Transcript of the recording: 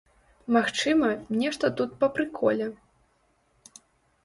Магчыма, нешта тут па прыколе.